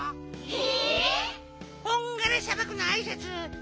え！